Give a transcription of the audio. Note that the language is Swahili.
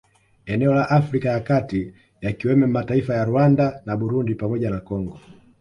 Eneo la Afrika ya kati yakiwemo mataifa ya Rwanda na Burundi pamoja na Congo